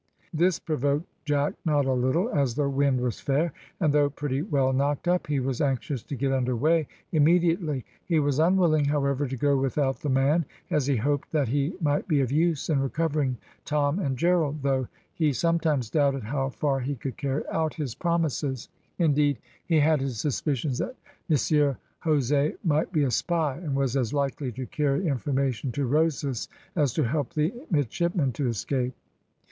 This provoked Jack not a little, as the wind was fair, and though pretty well knocked up, he was anxious to get under weigh immediately. He was unwilling, however, to go without the man, as he hoped that he might be of use in recovering Tom and Gerald, though he sometimes doubted how far he could carry out his promises; indeed, he had his suspicions that Mr Jose might be a spy, and was as likely to carry information to Rosas as to help the midshipmen to escape.